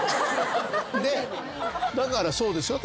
でだからそうでしょと。